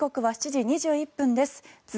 さて時刻は７時２１分です。